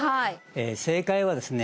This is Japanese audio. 正解はですね